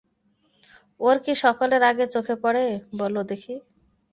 ওর কী সকলের আগে চোখে পড়ে বলো দেখি।